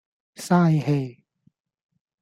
嘥氣